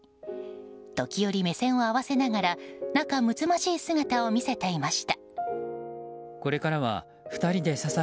時折目線を合わせながら仲むつまじい姿を見せていました。